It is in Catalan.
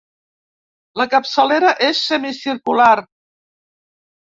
La capçalera és semicircular.